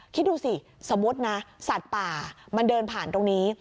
คิดดูสิสมมุตินะสัตว์ป่ามันเดินผ่านตรงนี้